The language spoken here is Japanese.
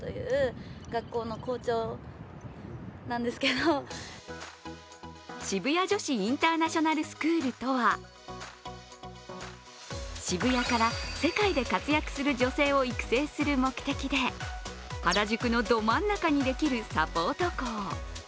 そこに渋谷女子インターナショナルスクールとは渋谷から世界で活躍する女性を育成する目的で原宿のど真ん中にできるサポート校。